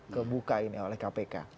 kebuka ini oleh kpk